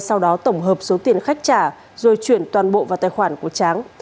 sau đó tổng hợp số tiền khách trả rồi chuyển toàn bộ vào tài khoản của tráng